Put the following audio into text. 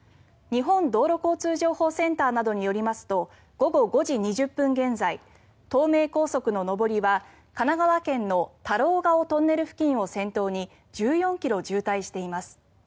日本道路交通情報センターなどによりますと午後５時２０分現在東名高速の上りは神奈川県の太郎ケ尾トンネル付近を先頭に１４ｋｍ渋滞しています。